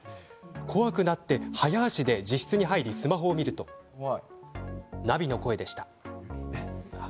怖くなって早足で自室に入りスマホを見るとナビの声でした。